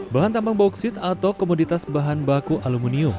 bahan tambang bauksit atau komoditas bahan baku aluminium